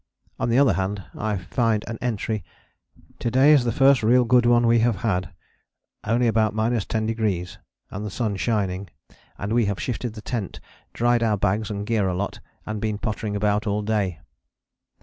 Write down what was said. On the other hand I find an entry: "To day is the first real good one we have had, only about 10° and the sun shining, and we have shifted the tent, dried our bags and gear a lot, and been pottering about all day."